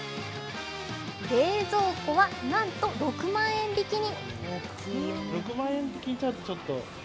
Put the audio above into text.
冷蔵庫は、なんと６万円引きに。